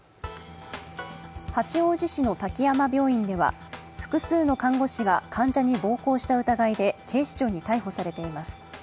八王子市の滝山病院では複数の看護師が患者に暴行した疑いで警視庁に逮捕されています。